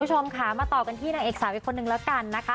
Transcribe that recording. คุณผู้ชมค่ะมาต่อกันที่นางเอกสาวอีกคนนึงแล้วกันนะคะ